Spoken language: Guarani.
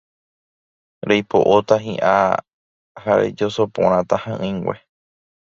reipo'óta hi'a ha rejosoporãta ha'ỹingue